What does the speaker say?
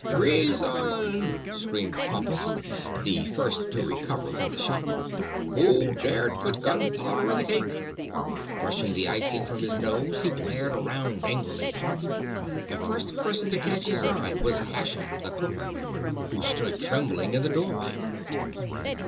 "Treason!" screamed Pompus, the first to recover from the shock. "Who dared put gunpowder in the cake?" Brushing the icing from his nose, he glared around angrily. The first person to catch his eye was Hashem, the cook, who stood trembling in the doorway.